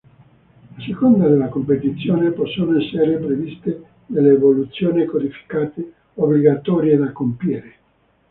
A seconda della competizione possono essere previste delle evoluzioni, codificate, obbligatorie da compiere.